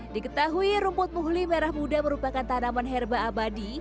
diketahui rumput muhli merah muda merupakan tanaman herba abadi